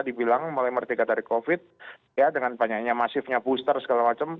dari covid dengan banyaknya masifnya booster segala macam